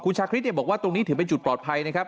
ชาคริสบอกว่าตรงนี้ถือเป็นจุดปลอดภัยนะครับ